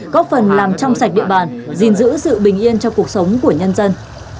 góp phần làm trong sạch địa bàn gìn giữ sự bình yên cho cuộc sống của nhân dân